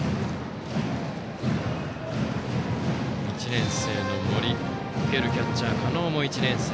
１年生の森受けるキャッチャー、加納も１年生。